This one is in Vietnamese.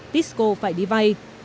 tisco phải đi vay